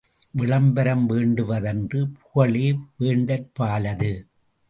விளம்பரம் வேண்டுவதன்று புகழே வேண்டற்பாலது.